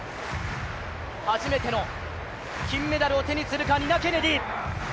初めての金メダルを手にするかニナ・ケネディ。